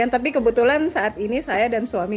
tapi kebetulan saat ini saya dan suami